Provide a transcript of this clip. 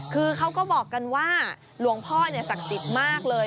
คือเขาก็บอกกันว่าหลวงพ่อศักดิ์สิทธิ์มากเลย